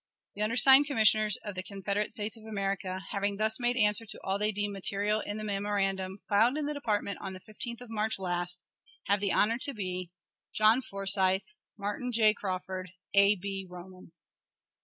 The undersigned, commissioners of the Confederate States of America, having thus made answer to all they deem material in the memorandum filed in the department on the 15th of March last, have the honor to be JOHN FORSYTH, MARTIN J. CRAWFORD, A. B. ROMAN.